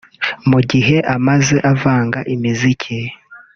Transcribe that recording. Mu gihe amaze avanga imiziki